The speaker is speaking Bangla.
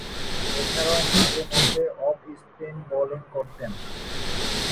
এছাড়াও মাঝে-মধ্যে অফ স্পিন বোলিং করতেন।